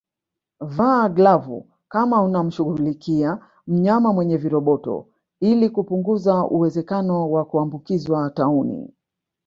Vaa glavu kama unamshughulikia mnyama mwenye viroboto ili kupunguza uwezekano wa kuambukizwa tauni